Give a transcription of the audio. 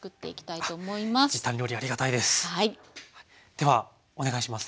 ではお願いします。